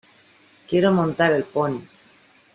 Quiero montar el pony.